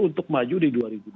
untuk maju di dua ribu dua puluh